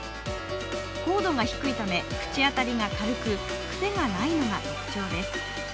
硬度が低いため、口当たりが軽く、癖がないのが特徴です。